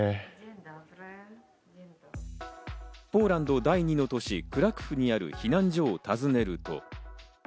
ポーランド第２の都市、クラクフにある避難所を訪ねると。